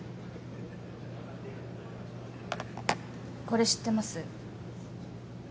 これ知ってます？